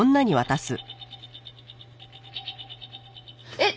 えっ！？